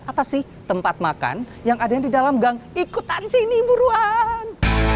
apa sih tempat makan yang ada di dalam gang ikutan sini buruan